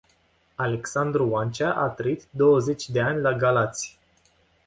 Alexandru Oancea a trăit douăzeci de ani la Galați.